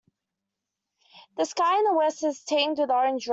The sky in the west is tinged with orange red.